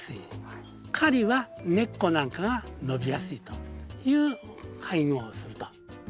カリは根っこなんかが伸びやすいという配合をすると。